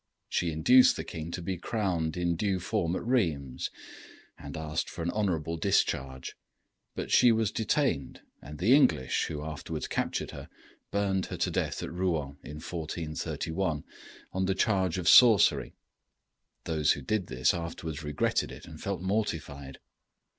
She induced the king to be crowned in due form at Rheims, and asked for an honorable discharge; but she was detained, and the English, who afterwards captured her, burned her to death at Rouen, in 1431, on the charge of sorcery. Those who did this afterwards regretted it and felt mortified.